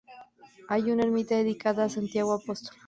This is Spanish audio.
Hay una ermita dedicada a Santiago Apóstol.